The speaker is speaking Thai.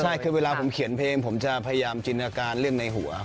ใช่เวลาผมเขียนเพลงผมจะพยายามจินอนาการในหัวครับ